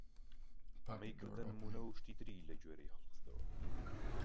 ئەمەی کردە نموونە و شتی تری لە گوێرەی هەڵخستەوە!